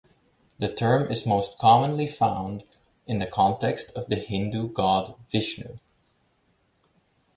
The term is most commonly found in the context of the Hindu god Vishnu.